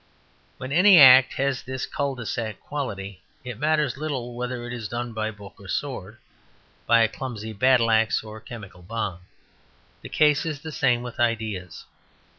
When any act has this cul de sac quality it matters little whether it is done by a book or a sword, by a clumsy battle axe or a chemical bomb. The case is the same with ideas.